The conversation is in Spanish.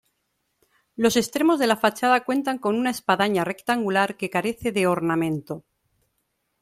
Los extremos de la fachada cuentan con una espadaña rectangular que carece de ornamento.